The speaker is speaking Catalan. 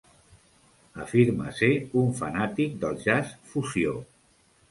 Afirma ser un "fanàtic del jazz fusió".